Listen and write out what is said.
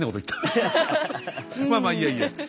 まあまあいいやいいや。